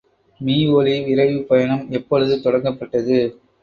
மீஒலி விரைவுப் பயணம் எப்பொழுது தொடங்கப்பட்டது?